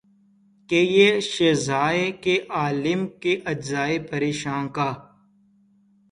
کہ یہ شیرازہ ہے عالم کے اجزائے پریشاں کا